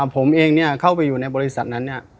ผมเองเข้าไปอยู่ในบริษัทนั้นเนี่ย